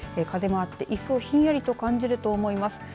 風もあって、いっそうひんやりと感じると思います。